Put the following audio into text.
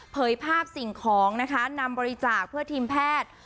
ภาพสิ่งของนะคะนำบริจาคเพื่อทีมแพทย์